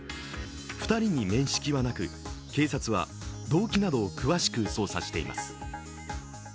２人に面識はなく、警察は動機などを詳しく捜査しています。